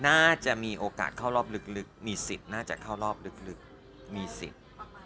น่าจะมีโอกาสเข้ารอบลึกมีสิทธิ์น่าจะเข้ารอบลึกมีสิทธิ์